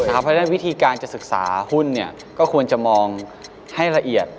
เพราะฉะนั้นวิธีการจะศึกษาหุ้นก็ควรจะมองให้ละเอียด